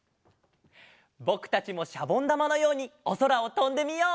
ぼくたちもしゃぼんだまのようにおそらをとんでみよう！